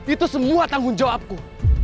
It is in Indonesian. itu semua tanggung jawabku